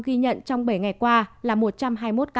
ghi nhận trong bảy ngày qua là một trăm hai mươi một ca